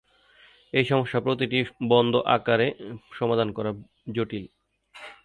এই সমস্যা "প্রতিটি" বন্ধ আকারে সমাধান করা বেশ জটিল।